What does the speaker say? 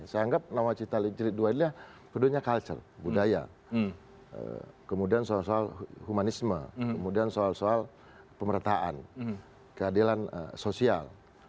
saya anggap nawacita jelit dua ini berduanya kultur budaya kemudian soal soal humanisme kemudian soal soal pemerintahan keadilan sosial